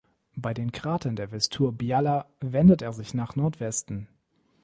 Bei den Kratern der "Vestur-Bjalla" wendet er sich nach Nordwesten.